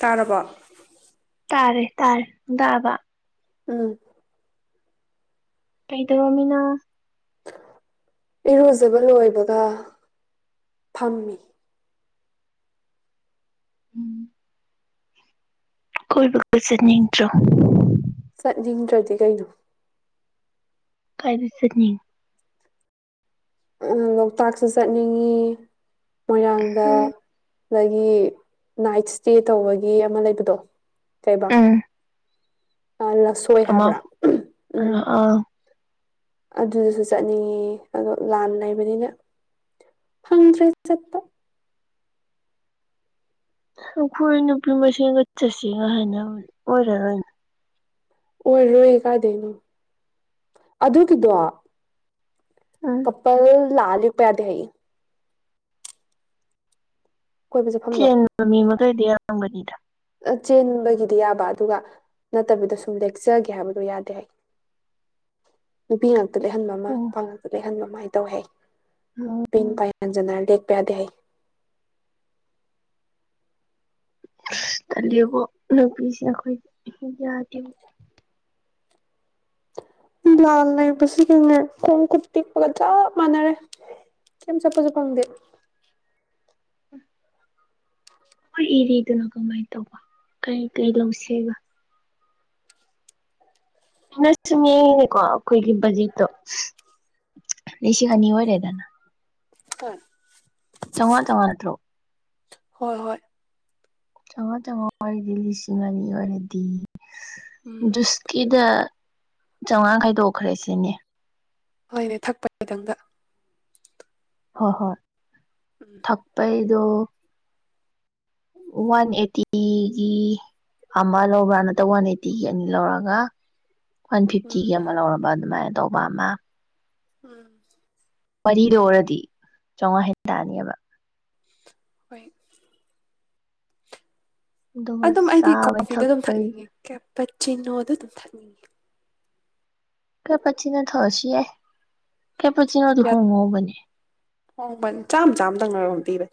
ꯇꯥꯔꯔꯕ ꯇꯥꯔꯦ ꯇꯥꯔꯦ ꯕ ꯎꯝ ꯀꯩ ꯇ ꯋꯥꯃꯤꯅ ꯏꯔꯨꯖꯕ ꯂꯣꯏꯕꯒ ꯐꯝꯃꯤ ꯎꯝ ꯀꯣꯏꯕꯒꯖꯅꯤꯡꯗ꯭ꯔꯣ ꯆꯠꯅꯤꯡꯗ꯭ꯔꯗꯤ ꯀꯩꯅꯣ ꯀꯥꯏ ꯁꯛꯅꯤ ꯂꯣꯛꯇꯥꯛꯁꯨ ꯆꯠꯅꯤꯡꯉꯤ ꯃꯣꯏꯔꯥꯡꯗ ꯎꯝ ꯑꯗꯒꯤ ꯅꯥꯏꯠ ꯏꯁꯇꯦ ꯇꯧꯕꯒꯤ ꯑꯃ ꯂꯩꯕꯗꯣ ꯀꯩꯕꯥ ꯎꯝ ꯂꯁꯣꯏ ꯑꯃ ꯍꯥꯏꯕ꯭ꯔꯥ ꯎꯝ ꯎꯝ ꯑꯥ ꯑꯗꯨꯗꯁꯨ ꯆꯠꯅꯤꯡꯉꯤ ꯑꯗꯣ ꯂꯥꯟ ꯂꯩꯕꯅꯤꯅ ꯐꯪꯗ꯭ꯔꯦ ꯆꯠꯄ ꯈꯣꯏꯅ ꯄꯃꯁꯤ ꯀꯆꯆꯥ ꯁꯤꯒ ꯍꯅ ꯑꯣꯏꯔꯅ ꯑꯣꯏꯔꯣꯏ ꯀꯥꯏꯗꯩꯅꯣ ꯑꯗꯨꯒꯤꯗꯣ ꯎꯝ ꯀꯄꯜ ꯂꯥꯄꯌꯥꯗ ꯍꯥꯏꯌꯦ ꯀꯣꯏꯕ ꯆꯠꯐꯝꯗꯣ ꯆꯃꯤ ꯀꯗꯤ ꯌꯥꯥꯡꯕꯅꯤꯗ ꯆꯦꯟꯕꯒꯤꯗꯤ ꯌꯥꯕ ꯑꯗꯨꯒ ꯅꯠꯇꯕꯤꯗ ꯁꯨꯝ ꯂꯦꯛꯆꯒꯦ ꯍꯥꯏꯕꯗꯣ ꯌꯥꯗꯦ ꯍꯥꯏ ꯅꯨꯄꯤ ꯉ ꯑ ꯂꯩꯍꯟꯕ ꯑꯃ ꯑꯣ ꯏꯜꯛꯇ ꯂꯩꯍꯟꯕ ꯑꯃ ꯀꯃꯥꯏꯅ ꯇꯧ ꯍꯥꯏ ꯎꯝ ꯄꯥꯏꯖ ꯗꯦ ꯄꯌꯥꯗ ꯇꯜꯂꯤꯕꯣ ꯅꯨꯄꯤꯁꯦ ꯑꯩꯈꯣꯏꯁꯦ ꯌꯥꯗꯦꯕ ꯂꯥꯜ ꯂꯩꯕꯁꯤꯒꯉꯦ ꯈꯣꯡ ꯈꯨꯠ ꯇꯦꯛꯛꯄꯒ ꯆꯞ ꯃꯥꯟꯅꯔꯦ ꯀꯩꯝ ꯆꯠꯄꯁꯨ ꯐꯪꯗꯦ ꯎꯝ ꯍꯣꯏ ꯏꯔꯤꯗꯨꯅꯣ ꯀꯃꯥꯏꯅ ꯇꯧꯕ ꯀꯩ ꯀꯩ ꯂꯧꯁꯦꯕ ꯅ ꯁꯨꯝ ꯌꯦꯡꯉꯦꯀꯣ ꯑꯩꯈꯣꯏꯒꯤ ꯕꯖꯤꯠꯇꯣ ꯔꯤꯁꯤ ꯑꯅꯤ ꯑꯣꯏꯔꯦꯗꯅ ꯀ ꯆꯧꯉ ꯆꯧꯉ ꯅꯠꯇ꯭ꯔꯣ ꯍꯣꯏ ꯍꯣꯏ ꯆꯧꯉꯥ ꯆꯧꯉꯥ ꯑꯣꯏꯔꯗꯤ ꯂꯤꯁꯤꯡ ꯑꯅꯤ ꯑꯣꯏꯔꯗꯤ ꯎꯝ ꯖꯨꯁꯀꯤꯗ ꯆꯧꯉꯥ ꯈꯥꯏꯗꯣꯛꯈ꯭ꯔꯦ ꯁꯤꯅꯦ ꯍꯣꯏꯅꯦ ꯊꯛꯄꯒꯤꯗꯪꯗ ꯍꯣꯏ ꯍꯣꯏ ꯊꯛꯄꯩ ꯂꯣ ꯋꯥꯟ ꯑꯦꯠꯇꯤꯒꯤ ꯑꯃ ꯂꯧꯕ꯭ꯔꯥ ꯅꯠꯇ꯭ꯔꯒ ꯋꯥꯟ ꯑꯦꯠꯇꯤꯒꯤ ꯑꯅꯤ ꯂꯧꯔꯛꯒ ꯋꯥꯟ ꯎꯝ ꯐꯤꯐꯇꯤꯒꯤ ꯑꯃ ꯂꯧꯔꯕ ꯑꯗꯨꯃꯥꯏꯅ ꯇꯧꯕ ꯑꯃ ꯎꯝ ꯃꯔꯤꯗ ꯑꯣꯏꯔꯗꯤ ꯆꯧꯉꯥ ꯍꯦꯟ ꯇꯅꯤꯕ ꯍꯣꯏ ꯑꯗꯨꯒ ꯑꯗꯨꯝ ꯑꯩꯗꯤ ꯆꯥꯕꯩ ꯀꯣꯐꯤꯗ ꯑꯗꯨꯝ ꯊꯛꯄꯩ ꯊꯛꯅꯤꯡꯉꯦ ꯀ ꯄ ꯆꯤꯅꯣꯗꯨ ꯗꯨꯝ ꯊꯛꯅꯤꯡꯉꯤ ꯀꯄꯆꯤꯅꯣ ꯊꯣꯑꯁꯤ ꯌꯥꯏ ꯀꯦ ꯄꯆꯤꯅꯣ ꯑꯗꯨ ꯍꯣꯡꯉꯣꯕꯅꯤ ꯍꯣꯡꯕꯟ ꯆꯥꯝ ꯆꯥꯝꯗꯪꯅꯔꯣꯝ ꯄꯤꯕ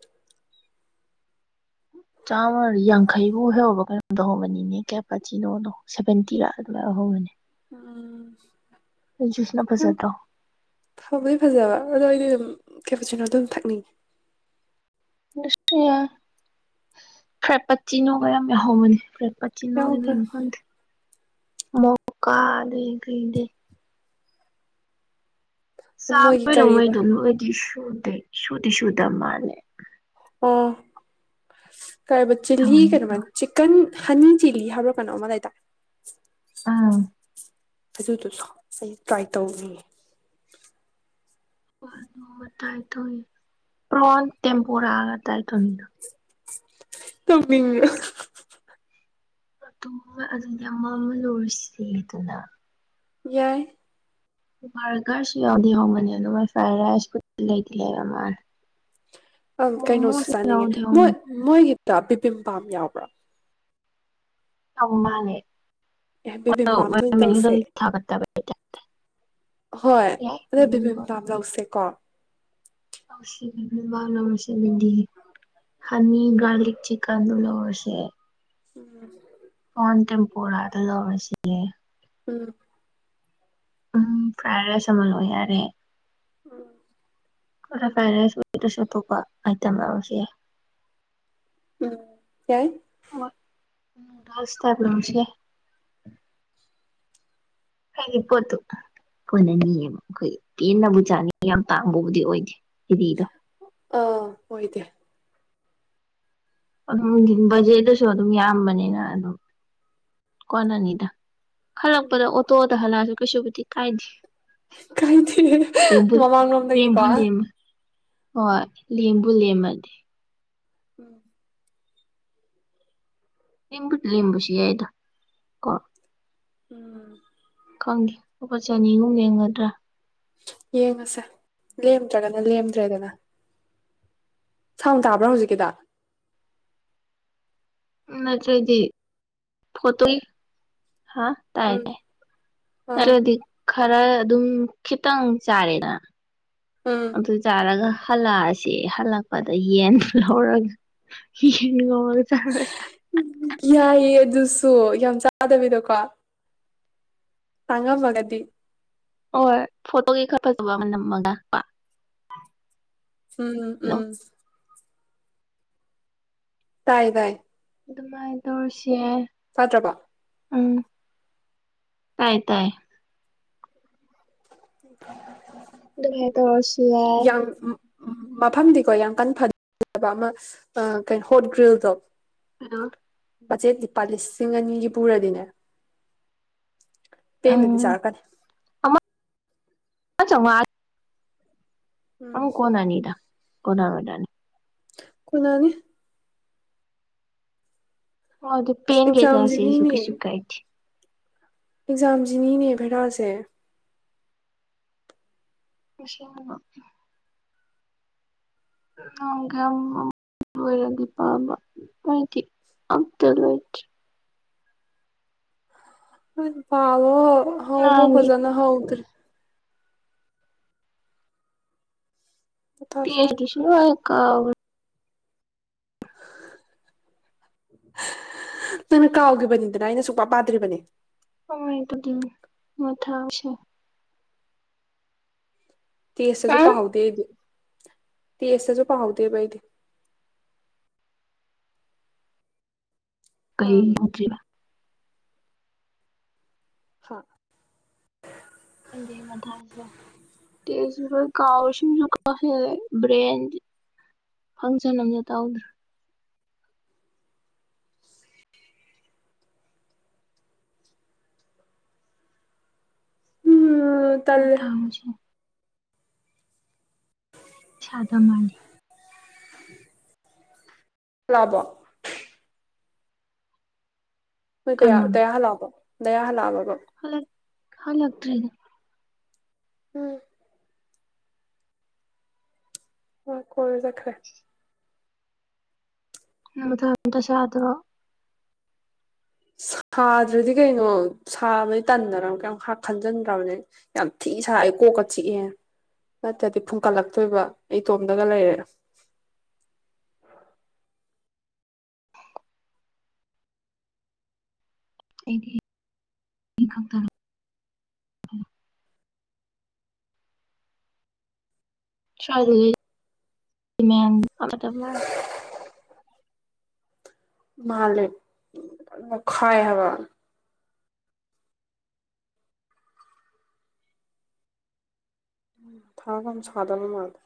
ꯆꯥꯝꯃ ꯌꯥꯡꯈꯩꯕꯨ ꯍꯩꯍꯧꯕ ꯀꯩꯅꯣꯝꯗ ꯍꯧꯕꯅꯤꯅꯦ ꯀꯦꯄꯥꯆꯅꯣꯗꯣ ꯁꯦꯚꯦꯟꯇꯤꯔ ꯑꯗꯨꯃꯥꯏ ꯍꯧꯕꯅꯦ ꯎꯝ ꯖꯨꯁꯅ ꯌꯥꯝ ꯐꯖꯗ꯭ꯔꯣ ꯊꯕꯒꯤ ꯐꯖꯕ ꯑꯗꯣ ꯑꯩꯗꯤ ꯑꯗꯨꯝ ꯀꯦꯄꯆꯤꯅꯣ ꯑꯗꯨꯝ ꯊꯛꯅꯤꯡꯏ ꯁ ꯐ꯭ꯔꯦꯠꯄ ꯆꯤꯅꯣꯒ ꯌꯥꯝ ꯌꯥꯍꯃꯅꯤ ꯐꯦ ꯄꯆꯤ ꯅꯣꯡꯗ ꯌꯥꯎꯕ ꯃꯣꯏꯅ ꯐꯪꯗ ꯃꯣꯀꯥ ꯂꯩ ꯀꯩꯗꯦ [inaudible] ꯃꯣꯏꯒꯤ ꯀꯔꯤꯕ ꯁꯨꯗꯦ ꯁꯨꯗꯤ ꯁꯨ ꯊꯝ ꯃꯥꯅꯦ ꯑꯣꯥ ꯀꯔꯤꯕ ꯆꯤꯂꯤ ꯀꯩꯅꯣ ꯆꯤꯛꯀꯟ ꯍꯅꯤ ꯆꯤꯂꯤ ꯍꯥꯏꯕ꯭ꯔꯣ ꯀꯩꯅꯣ ꯑꯃ ꯂꯩꯇꯥꯏ ꯑꯥ ꯑꯗꯨꯗꯨꯁꯨ ꯑꯩ ꯇ꯭ꯔꯥꯏ ꯇꯧꯅꯤꯡꯉ ꯍ ꯇꯥꯏ ꯇꯣ ꯄ꯭ꯔꯣꯣꯟ ꯇꯦꯝꯄꯨꯔ ꯔ ꯉ ꯇꯥꯏꯣꯅꯤꯅ ꯀꯃ ꯑꯗꯨ ꯑꯗꯨꯗꯤ ꯑꯃ ꯑꯃ ꯂꯣꯏꯔꯤꯁꯤꯗꯤ ꯑꯗꯨꯅ ꯌꯥꯏ ꯀꯨꯃꯔꯒꯁ ꯋꯥꯎꯗꯤ ꯋꯥꯎꯕꯅꯤ ꯑꯗꯨ ꯉꯥꯁꯥꯏ ꯔꯥꯏꯁ ꯂꯩ ꯂꯩꯔꯃꯥꯟ ꯑꯪ ꯀꯩꯅꯣꯁꯨ ꯆꯥꯅꯤꯡꯉꯦ ꯃꯣꯏ ꯃꯣꯏꯒꯤ ꯄ ꯄꯤ ꯄꯤꯝ ꯄꯥꯝ ꯌꯥꯎꯕ꯭ꯔꯥ ꯑꯧ ꯃꯥꯅ‌ꯦ ꯑꯦ ꯕꯤꯕꯤꯝꯄꯥꯝꯗꯨ ꯑꯣꯏꯅ ꯇꯧꯁꯦ ꯊꯥꯒꯠꯇꯕ ꯍꯣꯏ ꯌꯥꯏ ꯑꯗ ꯕꯦꯕꯤꯝꯄꯥꯝ ꯂꯧꯁꯦꯀꯣ ꯑꯁꯤ [unintelligible] ꯍꯅꯤ ꯒꯥꯔꯂꯤꯛ ꯆꯤꯀꯟ ꯂꯧꯔꯁꯦ [unintelligible] ꯐꯣꯟꯇꯦꯝꯄꯨꯔ ꯗꯨ ꯂꯧꯔꯁꯦꯌ‌ꯦ ꯎꯝ ꯎꯝ ꯐ꯭ꯔꯥꯏ ꯔꯥꯏꯁ ꯑꯃ ꯂꯣꯏ ꯌꯥꯔꯦ ꯎꯝ ꯈꯔ ꯐꯥꯏꯔꯥꯏꯁ ꯑ‌ꯣꯏꯗ꯭ꯔꯥꯁꯨ ꯑꯇꯣꯞꯄ ꯑꯥꯏꯇꯦꯝ ꯂꯧꯎꯔꯁꯨ ꯌꯥꯏ ꯎꯝ ꯌꯥꯏ ꯍ‌ꯣꯏ ꯂ‌ꯣꯏꯁ ꯇꯥꯏꯕ ꯂꯧꯔꯁꯨ ꯌꯥꯏ ꯍꯥꯏꯗꯤ ꯄꯣꯠꯇꯨ ꯀꯣꯟꯅꯅꯤꯌ‌ꯦꯕ ꯑꯩꯈꯣꯏ ꯄꯦꯟꯅꯕꯨ ꯆꯥꯅꯤꯡꯉꯤ ꯌꯥꯝ ꯇꯥꯡꯕꯕꯨꯗꯤ ꯑꯣꯏꯗꯦ ꯏꯗꯤꯗꯣ ꯑꯥ ꯑꯣꯏꯗꯦ ꯑꯗꯨꯝ ꯕꯖꯦꯠꯇꯁꯨ ꯑꯗꯨꯝ ꯌꯥꯝꯕꯅꯤꯅ ꯑꯗꯨꯝ ꯀꯣꯟꯅꯅꯤꯗ ꯍꯜꯂꯛꯄꯗ ꯑꯣꯇꯣꯗ ꯍꯜꯂꯥꯁꯨ ꯀꯩꯁꯨꯕꯨꯗꯤ ꯀꯥꯏꯗꯦ ꯀꯥꯏꯗ‌ꯦ ꯂꯦꯝꯕꯨ ꯂꯦꯝꯕꯨ ꯃꯃꯥꯡꯂꯣꯝꯗꯒꯤꯀꯣ ꯂꯦꯝꯃ ꯍꯣꯏ ꯂꯦꯝꯕꯨ ꯂꯦꯝꯃꯗꯤ [unintelligible] ꯂ‌ꯦꯝꯕꯨ ꯂ‌ꯦꯝꯕꯁꯨ ꯌꯥꯏꯗ ꯀ‌ꯣ ꯎꯝ ꯈꯪꯗ‌ꯦ ꯂꯨꯄꯥ ꯆꯅꯤꯒꯨꯝ ꯂ‌ꯦꯝꯒꯗ꯭ꯔꯥ ꯌꯦꯡꯉꯁꯦ ꯂꯦꯝꯗ꯭ꯔꯒꯅ ꯂꯦꯝꯗ꯭ꯔꯦꯗꯅ ꯁꯥꯎꯟ ꯇꯥꯕ꯭ꯔꯥ ꯍꯧꯖꯤꯛꯀꯤꯗ‌ꯣ ꯅꯠꯇ꯭ꯔꯥꯗꯤ ꯐꯣꯠꯇꯨꯏ ꯍꯥ ꯇꯥꯏ ꯎꯝ ꯇꯥꯏ ꯑꯥ ꯑꯗꯨꯗꯤ ꯈꯔ ꯑꯗꯨꯝ ꯈꯤꯇꯪ ꯆꯥꯔꯦꯅ ꯎꯝ ꯑꯗꯨ ꯆꯥꯔꯒ ꯍꯂꯥꯑꯁꯤ ꯍꯂꯛ ꯑꯗ ꯌꯦꯟꯗꯨ ꯂꯧꯔꯒ ꯌ‌ꯦꯟ ꯉꯧꯔꯒ ꯆꯥꯔꯨꯔꯁꯤ ꯌꯥꯏꯌꯦ ꯑꯗꯨꯁꯨ ꯌꯥꯝ ꯆꯥꯗꯕꯤꯗꯀꯣ ꯇꯥꯡꯉꯝꯃꯥꯒꯗꯤ ꯍ‌ꯣꯏ ꯐꯣꯇꯣꯒꯤ ꯈꯔ ꯐꯖꯕ ꯑꯃ ꯅꯝꯃꯒ ꯀ‌ꯣ ꯎꯝ ꯎꯝ ꯇꯥꯏ ꯇꯥꯏ ꯑꯗꯨꯃꯥꯏꯅ ꯇꯧꯔꯁꯤ ꯌꯥꯏ ꯁꯥꯇ꯭ꯔꯄꯥ ꯎꯝ ꯇꯥꯏ ꯇꯥꯏ ꯊ ꯑꯗꯨꯉ ꯇꯁꯤ ꯌꯥ ꯎꯝ ꯎꯝ ꯃꯐꯝꯗꯤꯀꯣ ꯌꯥꯝ ꯀꯟꯅ ꯐꯖꯕ ꯑꯃ ꯀꯩꯅꯣ ꯍꯣꯠꯒ꯭ꯔꯤꯜꯗꯣ ꯍꯜꯂꯣ ꯕꯖꯦꯠ ꯂꯨꯄꯥ ꯂꯤꯁꯤꯡ ꯑꯅꯤꯒꯤ ꯄꯨꯔꯗꯤꯅꯦ ꯄꯦꯟꯅꯗꯤ ꯆꯥꯔꯀꯅꯤ ꯑ ꯆ ꯑ ꯎꯝ ꯀꯣꯟꯅꯤꯗ ꯀꯅꯥ ꯑꯣꯏꯗꯥꯅꯤ ꯈꯨꯅꯥꯅꯤ ꯑꯗꯨꯣ ꯑꯁ ꯄꯦꯟꯦꯟꯒ ꯑꯦꯛꯖꯥꯝꯁꯤꯅꯤꯅꯦ ꯆꯁꯤꯦꯁꯨꯨꯀꯤꯁꯨꯨꯈꯥꯏꯇꯦ ꯑꯦꯛꯖꯥꯝꯁꯤꯅꯤꯅꯦ ꯚꯩꯔꯥꯁꯦ ꯄꯁ ꯔ ꯄ ꯃꯥꯏꯗꯤ ꯑꯕꯜꯔꯤ ꯎ ꯄꯕꯣ ꯍꯥꯎꯕꯣ ꯅꯍꯥꯟꯒꯤ ꯐꯖꯅ ꯍꯥꯎꯗ꯭ꯔꯔꯤ ꯃꯊꯥ ꯇꯦꯁ ꯁꯥꯏ ꯇꯤꯁꯨ ꯑꯣꯏ ꯀꯥꯎ ꯅꯪꯅ ꯀꯥꯎꯈꯤꯕꯅꯤꯗꯅ ꯑꯩꯅ ꯁꯨꯡꯄ ꯄꯥꯗ꯭ꯔꯤꯕꯅꯦ ꯑ ꯑꯗꯨ ꯃꯊꯥꯁꯦ ꯇꯦꯁꯇꯁꯨ ꯎꯝ ꯄꯥꯍꯧꯗꯦ ꯑꯩꯗꯤ ꯇ ꯑꯦꯁꯦꯁꯨ ꯄꯥꯎꯗꯦ ꯄꯩꯗꯤ ꯀ ꯑ ꯍꯥ ꯗꯦ ꯃꯊꯥꯁꯦ ꯇꯦꯁꯨ ꯍꯣꯏ ꯀꯥꯎꯦ ꯁꯨꯝꯁꯨ ꯀꯥꯎꯁꯦ ꯕ꯭ꯔꯦꯟ ꯐꯪꯁꯟ ꯑꯝꯇ ꯇꯧꯗ꯭ꯔꯦ ꯎꯝ ꯃ ꯇꯜꯂꯦ ꯊ ꯍꯧꯁꯤ ꯑꯗ ꯃꯥꯜꯂꯤ ꯆ ꯂꯕꯣ ꯣꯏꯌꯥ ꯇꯌꯥꯔ ꯂꯕ ꯗꯌꯥꯥ ꯂꯥꯕ ꯍꯂ ꯍꯂꯇ꯭ꯔꯦ ꯎꯝ ꯑ ꯀꯣꯏꯔꯨ ꯆꯠꯈ꯭ꯔꯦ ꯅꯪ ꯃꯊꯥ ꯑꯝꯇ ꯁꯥꯗ꯭ꯔꯣ ꯁꯥꯗ꯭ꯔꯗꯤ ꯀꯩꯅꯣ ꯁꯥꯕꯗꯤ ꯇꯟꯗꯅ ꯀꯩꯝ ꯈꯟꯖꯤꯟꯗ꯭ꯔꯕꯅꯦ ꯌꯥꯝ ꯊꯤ ꯁꯥꯏ ꯀꯣꯛꯀ ꯆꯤꯛꯑꯦ ꯅꯠꯇ꯭ꯔꯗꯤ ꯐꯨꯝꯀꯠꯂꯛꯇꯣꯏꯕ ꯑꯩ ꯏꯇꯣꯝꯗꯒ ꯂꯩꯔꯦ ꯑꯩꯗꯤ-ꯗꯤ-ꯈꯛꯇꯔ-ꯍꯥꯏꯔ ꯁꯥꯏꯗꯗꯤ ꯃꯌꯥꯝ ꯂꯥꯞꯅꯗ ꯃꯥꯜꯂꯤ ꯃꯥꯜꯂꯦ ꯌꯥꯝꯅ ꯃꯨꯈꯥꯏ ꯍꯥꯏꯕ ꯃꯊꯥꯒ ꯑꯝ ꯁꯥꯗꯅ ꯃꯥꯂꯤ